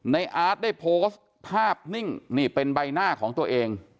อาร์ตได้โพสต์ภาพนิ่งนี่เป็นใบหน้าของตัวเอง